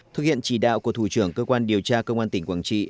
thực hiện chỉ đạo của thủ trưởng cơ quan điều tra công an tỉnh quảng trị